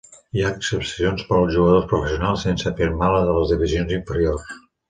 Hi ha excepcions per als jugadors professionals sense firmar de les divisions inferiors.